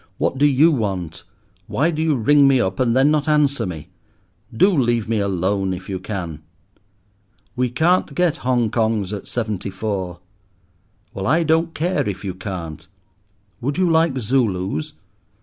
What do you want? Why do you ring me up, and then not answer me? Do leave me alone, if you can!" "We can't get Hong Kongs at seventy four." "Well, I don't care if you can't." "Would you like Zulus?"